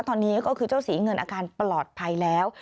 ตอนนี้ก็คือเจ้าสีเงินอาการปลอดภัยแล้ว